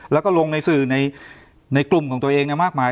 แล้วก็ลงในสื่อในกลุ่มของตัวเองมากมาย